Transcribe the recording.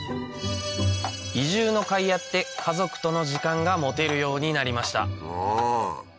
移住のかいあって家族との時間が持てるようになりました